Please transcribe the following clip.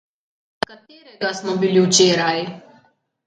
Katerega smo bili včeraj?